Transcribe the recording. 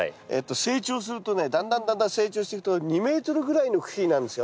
成長するとねだんだんだんだん成長してくと２ｍぐらいの茎になるんですよ。